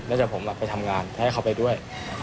แล้วผมก็กลับไปทำงานแล้วให้เขาไปด้วย